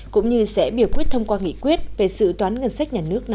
cũng như sẽ biểu quyết thông qua nghị quyết về sự toán ngân sách nhà nước năm hai nghìn hai